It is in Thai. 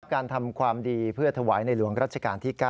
การทำความดีเพื่อถวายในหลวงรัชกาลที่๙